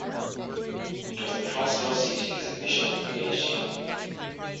It was the first slow city designation in Asia.